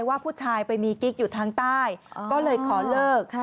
ว่าผู้ชายไปมีกิ๊กอยู่ทางใต้ก็เลยขอเลิก